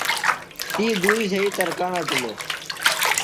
تی دُوئی زھئی ترکاݨ اٹِلو۔